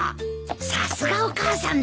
さすがお母さんだよ